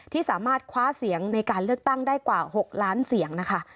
ที่สามารถคว้าเสียงในการเลือกตั้งได้กว่า๖ล้านเสียงนะคะ